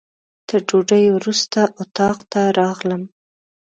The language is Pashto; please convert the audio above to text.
تر ډوډۍ وروسته اتاق ته راغلم.